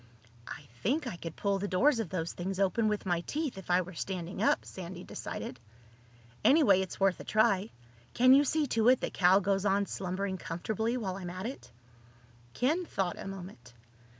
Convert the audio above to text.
"I think I could pull the doors of those things open with my teeth, if I were standing up," Sandy decided. "Anyway, it's worth a try. Can you see to it that Cal goes on slumbering comfortably while I'm at it?" Ken thought a moment.